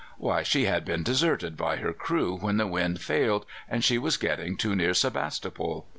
Why, she had been deserted by her crew when the wind failed and she was getting too near Sebastopol.